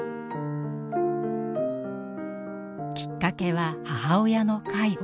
きっかけは母親の介護。